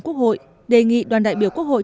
quốc hội đề nghị đoàn đại biểu quốc hội